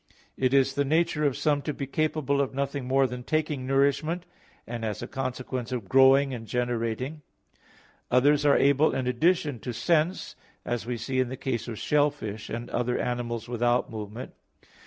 It is the nature of some to be capable of nothing more than taking nourishment, and, as a consequence, of growing and generating. Others are able, in addition, to sense, as we see in the case of shellfish and other animals without movement.